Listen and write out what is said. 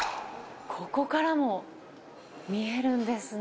ここからも見えるんですね。